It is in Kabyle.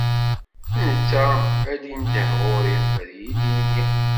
Netta ad d-indeh ɣur-i, ad iyi-d-yini.